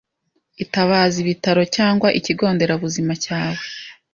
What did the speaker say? Itabaze ibitaro cyangwa ikigo nderabuzima cyawe,